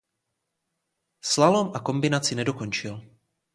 Slalom a kombinaci nedokončil.